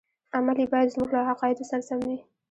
عمل یې باید زموږ له عقایدو سره سم وي.